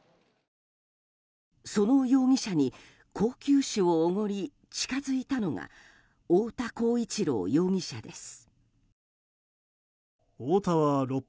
その容疑者に高級酒をおごり近づいたのが太田浩一朗容疑者です。